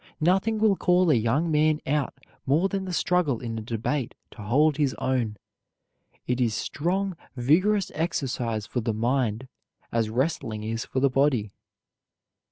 Nothing will call a young man out more than the struggle in a debate to hold his own. It is strong, vigorous exercise for the mind as wrestling is for the body.